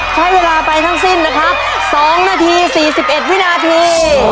ใช้เวลาไปทั้งสิ้นนะครับ๒นาที๔๑วินาที